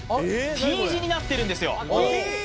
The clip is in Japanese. Ｔ字になってるんですよ